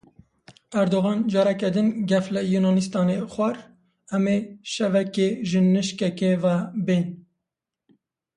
Erdogan careke din gef li Yûnanistanê xwar, em ê şevekê ji nişkeka ve bên.